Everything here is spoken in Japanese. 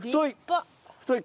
太い。